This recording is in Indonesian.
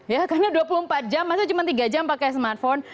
ya karena dua puluh empat jam maksudnya cuma tiga jam pakai smartphone